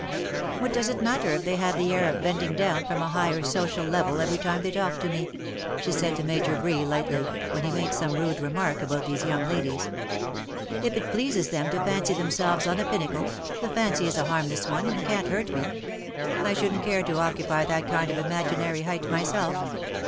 '^ What does it matter if they have the air of bending down from a higher social level every time they talk to me,"*^ she said to Major Bree, lightly, DELIGHT IS IN HER 1'ACe/^ 207 when he made some rude remark about these young ladies. ^' If it pleases them to fancy themselves on a pinnacle, the fancy is a harmless one, and can't hurt me. I shouldn''t care to occupy that kind of imaginary height myself.